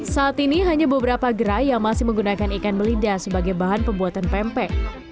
saat ini hanya beberapa gerai yang masih menggunakan ikan melida sebagai bahan pembuatan pempek